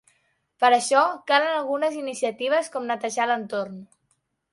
Per això, calen algunes iniciatives com netejar l'entorn.